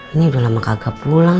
ini udah lama kagak pulang